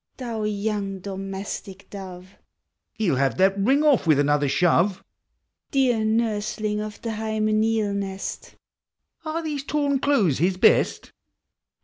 Thou young domestic dove! (lie '11 have that ring oil with another shove,) Dear nursling of the hymeneal nest! (Are these torn clothes his best?)